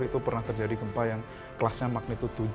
itu pernah terjadi gempa yang kelasnya magnitude tujuh